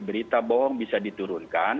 berita bohong bisa diturunkan